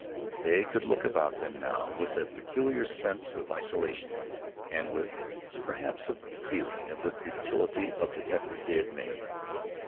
They could look about them now with a peculiar sense of isolation, and with, perhaps, a feeling of the futility of the effort they had made.